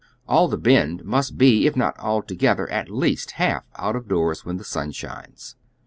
All "the Bend" must be, if not altogether, at least half out of doors when the snn shines.